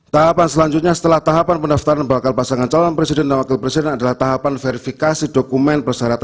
tahapan selanjutnya setelah tahapan pendaftaran bakal pasangan calon presiden dan wakil presiden adalah tahapan verifikasi dokumen persyaratan